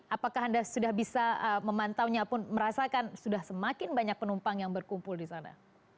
apakah anda sudah bisa memantaunya pun merasakan sudah semakin banyak penumpang yang berkumpul di sana